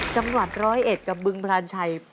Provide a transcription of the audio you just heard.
จังหวัด๑๐๑กับบึงพลาญชัย